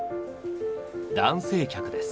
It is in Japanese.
男性客です。